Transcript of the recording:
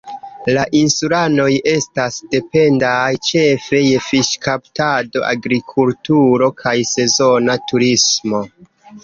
La insulanoj estas dependaj ĉefe je fiŝkaptado, agrikulturo kaj sezona turismo.